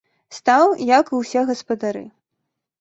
Стаў, як і ўсе гаспадары.